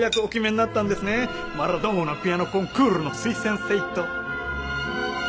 「マラドーナピアノコンクール」の推薦生徒。